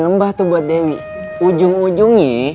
lembah tuh buat dewi ujung ujungnya